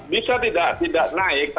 bisa tidak naik